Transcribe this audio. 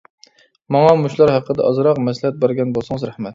ماڭا مۇشۇلار ھەققىدە ئازراق مەسلىھەت بەرگەن بولسىڭىز رەھمەت.